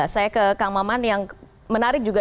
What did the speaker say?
saya ke kang maman yang menarik juga